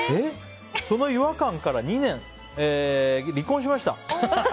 その違和感から２年離婚しました。